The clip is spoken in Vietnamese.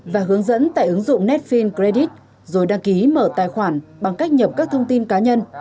và hướng dẫn tại ứng dụng netfine credit rồi đăng ký mở tài khoản bằng cách nhập các thông tin cá nhân